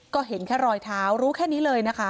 ก็เห็นแค่รอยเท้ารู้แค่นี้เลยนะคะ